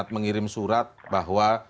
mengirim surat bahwa